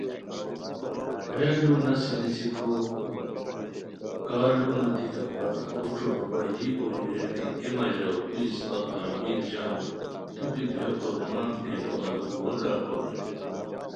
ہیہ لُو نسی نسیکو کا لُوؤ نودیکا پت گوݯھو بابا یی کوری ریر کی اے مہ ژاؤ تو اسپہ قابل ژاؤ توکی دیہو کورمان کی نو ارو وا کاکوئے